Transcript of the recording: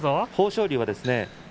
豊昇龍はですね